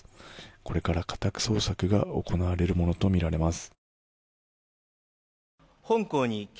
これから家宅捜索が行われるものとみられています。